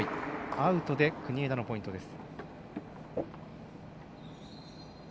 アウトで国枝のポイントです。